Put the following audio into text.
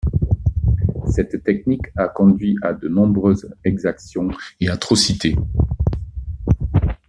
Cette technique a conduit à de nombreuses exactions et atrocités.